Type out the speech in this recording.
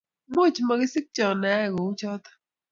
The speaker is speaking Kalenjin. Much makisingcho ayai kouchotok